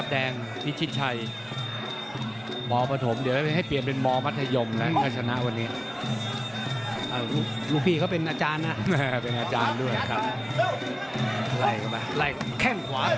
เดี๋ยวหมดยก๕แล้วก็คุยกัน